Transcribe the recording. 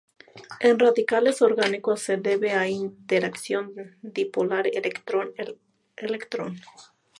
En radicales orgánicos se debe a interacción dipolar electrón-electrón.